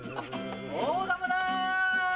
大玉だ！